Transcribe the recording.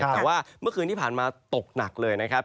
แต่ว่าเมื่อคืนที่ผ่านมาตกหนักเลยนะครับ